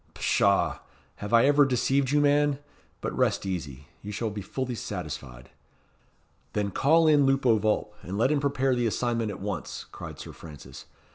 "Pshaw! Have I ever deceived you, man? But rest easy. You shall be fully satisfied." "Then call in Lupo Vulp, and let him prepare the assignment at once," cried Sir Francis.